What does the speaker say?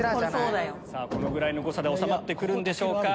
このぐらいの誤差で収まって来るんでしょうか。